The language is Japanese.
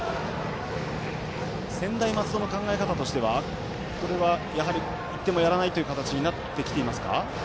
専大松戸の考え方としてはやはり、一点もやらないという形になってきていますか。